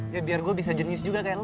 ya biar gue bisa jenius juga kayak lo